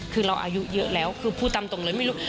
คือเราอายุเยอะแล้วคือพูดตามตรงเลยไม่รู้